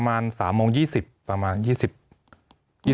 มีความรู้สึกว่ามีความรู้สึกว่า